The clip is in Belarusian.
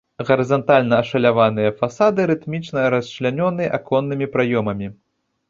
Гарызантальна ашаляваныя фасады рытмічна расчлянёны аконнымі праёмамі.